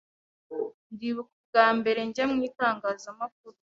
ndibuk ubwa mbere njya mu itangazamakuru